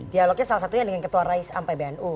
dialognya salah satunya dengan ketua rais am pbnu